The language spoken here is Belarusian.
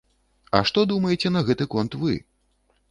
А што думаеце на гэты конт вы?